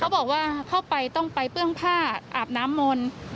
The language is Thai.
บอกว่าเข้าไปต้องไปเปื้องผ้าอาบน้ำมนต์